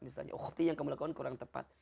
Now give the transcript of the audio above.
misalnya ukti yang kamu lakukan kurang tepat